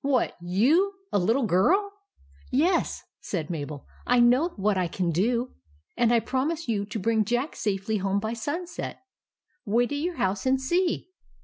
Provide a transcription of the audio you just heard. " What you ? A little girl T " Yes," said Mabel. " I know what I can do; and I promise you to bring Jack safely home by sunset. Wait at your house and see."